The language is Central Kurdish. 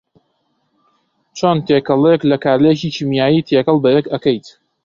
چۆن تێکەڵیەک لە کارلێکی کیمیایی تێکەڵ بەیەک ئەکەیت